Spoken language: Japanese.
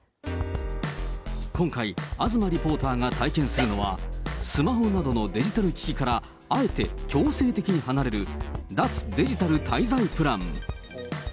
今回、東リポーターが体験するのは、スマホなどのデジタル機器からあえて強制的に離れる、脱デジタル滞在プラン。